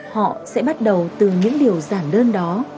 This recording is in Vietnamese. họ sẽ bắt đầu từ những điều giản đơn đó